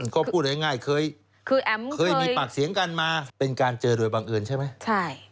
ก็พูดง่ายเคยคือแอ๋มเคยมีปากเสียงกันมาเป็นการเจอโดยบังเอิญใช่ไหม